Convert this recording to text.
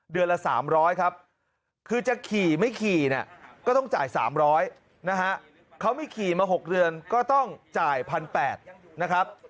เดือนละ๓๐๐ครับคือจะขี่ไม่ขี่เนี่ยก็ต้องจ่าย๓๐๐นะฮะเขาไม่ขี่มา๖เดือนก็ต้องจ่าย๑๘๐๐นะครับ